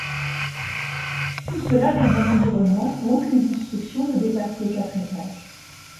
Tout cela dans un environnement où aucune construction ne dépasse les quatre étages.